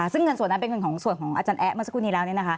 ซึ่งเงินส่วนนั้นเป็นเงินของส่วนของอาจารย์แอ๊ะเมื่อสักครู่นี้แล้ว